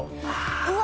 うわ！